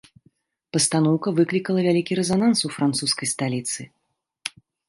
Пастаноўка выклікала вялікі рэзананс у французскай сталіцы.